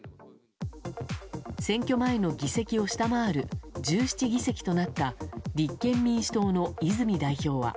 選挙前の議席を下回る１７議席となった立憲民主党の泉代表は。